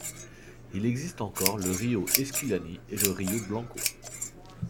Il existe encore le Río Esquillani et le Río Blanco.